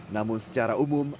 namun secara umum